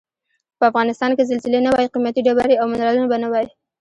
په افغنستان کې که زلزلې نه وای قیمتي ډبرې او منرالونه به نه وای.